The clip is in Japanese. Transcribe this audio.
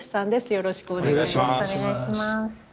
よろしくお願いします。